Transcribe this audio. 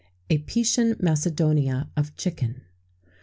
_Apician Macedonia of Chicken.